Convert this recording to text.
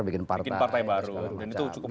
bikin partai baru